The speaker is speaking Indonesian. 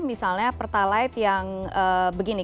misalnya pertalite yang begini